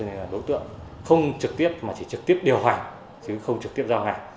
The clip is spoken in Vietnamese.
thì là đối tượng không trực tiếp mà chỉ trực tiếp điều hành chứ không trực tiếp giao hàng